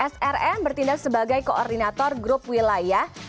srm bertindak sebagai koordinator grup wilayah